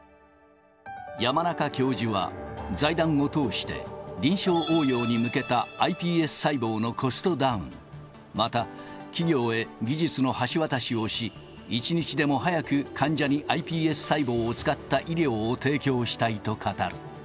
山中教授は、財団を通して臨床応用に向けたｉＰＳ細胞のコストダウン、また企業へ技術の橋渡しをし、一日でも早く患者にｉＰＳ細胞を使った医療を提供したいと語る。